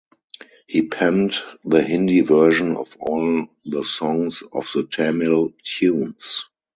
He penned the Hindi version of all the songs of the Tamil tunes.